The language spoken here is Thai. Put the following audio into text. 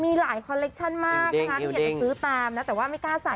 มีหลายคอลเลคชั่นมากนะคะไอ้เด็กแต่ซื้อตามนะแต่ว่าไม่กล้าใส่